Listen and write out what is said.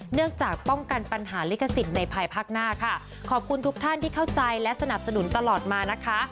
เนื่องจากป้องกันปัญหาลิขสิทธิ์ในภายภาคหน้าค่ะขอบคุณทุกท่านที่เข้าใจและสนับสนุนตลอดมานะคะ